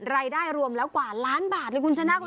รายได้รวมแล้วกว่าล้านบาทเลยคุณชนะคุณ